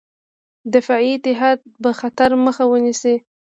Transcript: دفاعي اتحاد به خطر مخه ونیسي.